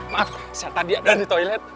maaf saya tadi ada di toilet